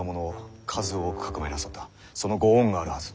そのご恩があるはず。